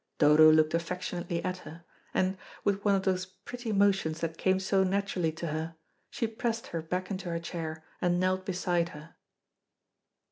Dodo looked affectionately at her, and, with one of those pretty motions that came so naturally to her, she pressed her back into her chair, and knelt beside her.